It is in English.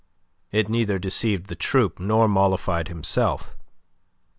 It neither deceived the troupe nor mollified himself.